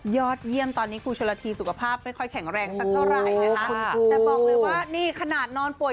ยอดเยี่ยมตอนนี้ครูชนละทีสุขภาพไม่ค่อยแข็งแรงสักเท่าไหร่นะคะแต่บอกเลยว่านี่ขนาดนอนป่วย